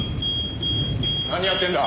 何やってんだ？